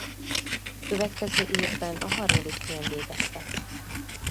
Következő évben a harmadik helyen végeztek.